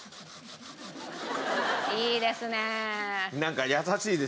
いいですね！